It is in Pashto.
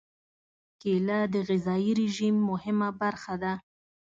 کېله د غذايي رژیم مهمه برخه ده.